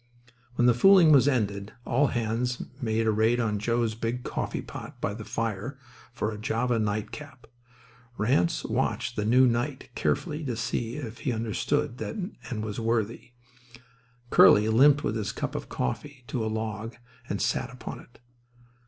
When the fooling was ended all hands made a raid on Joe's big coffee pot by the fire for a Java nightcap. Ranse watched the new knight carefully to see if he understood and was worthy. Curly limped with his cup of coffee to a log and sat upon it.